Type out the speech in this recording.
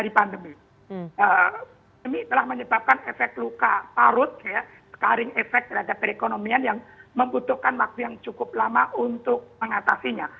ini telah menyebabkan efek luka parut scaring efek terhadap perekonomian yang membutuhkan waktu yang cukup lama untuk mengatasinya